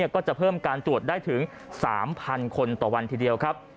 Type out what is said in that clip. ก็จะเพิ่มการตรวจได้ถึง๓๐๐คนต่อวันทีเดียวครับ